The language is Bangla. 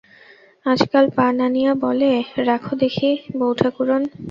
আজকাল পান আনিয়া বলে, রাখো দেখি বৌঠাকরুন।